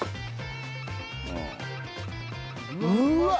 うーわっ！